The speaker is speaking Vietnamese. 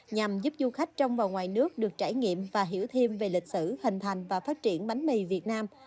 nhằm giúp du khách trong và ngoài nước được trải nghiệm và hiểu thêm về lịch sử hình thành và phát triển bánh mì việt nam